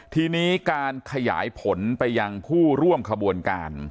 ทีนี้การขยายผลไปยังผู้ร่วมขบวนการ